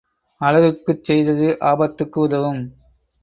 அழகுக்குச் செய்தது ஆபத்துக்கு உதவும்.